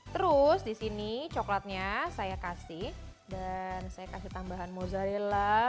terus di sini coklatnya saya kasih dan saya kasih tambahan mozzarella